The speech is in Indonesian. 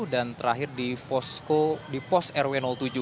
dan terakhir di posko di pos rw tujuh